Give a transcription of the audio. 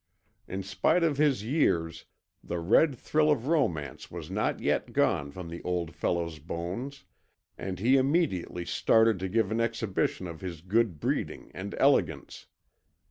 In spite of his years the red thrill of romance was not yet gone from the old fellow's bones, and he immediately started to give an exhibition of his good breeding and elegance.